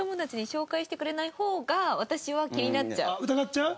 疑っちゃう？